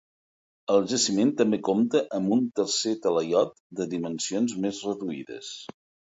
El jaciment també compta amb un tercer talaiot de dimensions més reduïdes.